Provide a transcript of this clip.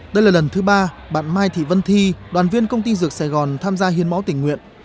đây là lần thứ ba bạn mai thị vân thi đoàn viên công ty dược sài gòn tham gia hiến máu tỉnh nguyện